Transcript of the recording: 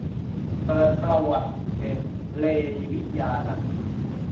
เปิดประวัติ เบญ เรวิญานันท์